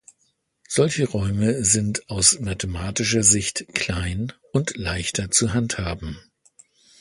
Solche Räume sind aus mathematischer Sicht "klein" und leichter zu handhaben.